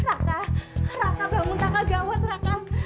raka raka bangun tak kegawat raka